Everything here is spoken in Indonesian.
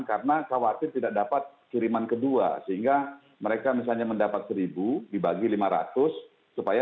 karena khawatir tidak dapat kiriman kedua sehingga mereka misalnya mendapat seribu dibagi lima ratus supaya